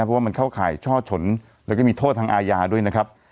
เพราะว่ามันเข้าข่ายช่อฉนแล้วก็มีโทษทางอาญาด้วยนะครับ